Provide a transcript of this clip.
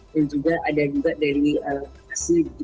dan juga ada juga dari kasi